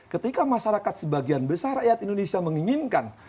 ketika masyarakat sebagian besar rakyat indonesia menginginkan